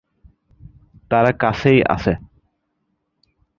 তারা কাছেই আছে।